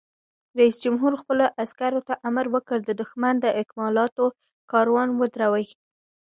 رئیس جمهور خپلو عسکرو ته امر وکړ؛ د دښمن د اکمالاتو کاروان ودروئ!